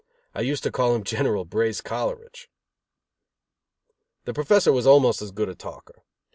I used to call him General Brace Coleridge. The Professor was almost as good a talker.